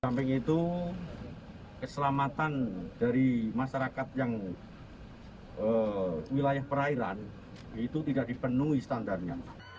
samping itu keselamatan dari masyarakat yang wilayah perairan itu tidak dipenuhi standarnya